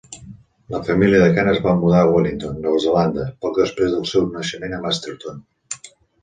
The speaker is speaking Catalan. La família de Kan es va mudar a Wellington, Nova Zelanda, poc després del seu naixement a Masterton.